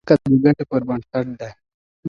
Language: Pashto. ځکه د ګټې پر بنسټ دی.